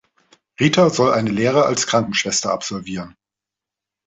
Rita soll eine Lehre als Krankenschwester absolvieren.